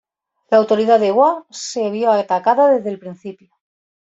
La autoridad de Hua se vio atacada desde el principio.